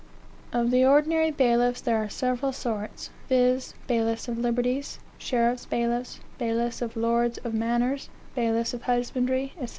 "Of the ordinary bailiffs there are several sorts, viz., bailiffsof liberties; sheriffs' bailiffs; bailiffs of lords of manors; bailiffs of husbandry, &c.